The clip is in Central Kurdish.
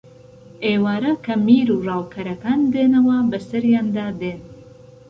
ئێوارە کە میر و ڕاوکەران دێنەوە بەسەریاندا دێن